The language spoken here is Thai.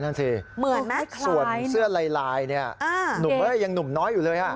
นั่นสิเหมือนไหมส่วนเสื้อลายลายเนี่ยหนุ่มยังหนุ่มน้อยอยู่เลยฮะ